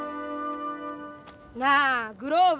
なあグローブ